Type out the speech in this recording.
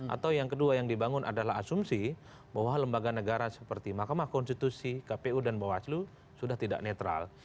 atau yang kedua yang dibangun adalah asumsi bahwa lembaga negara seperti mahkamah konstitusi kpu dan bawaslu sudah tidak netral